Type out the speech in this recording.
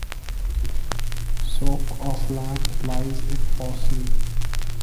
Soke of land lies in Fawsley.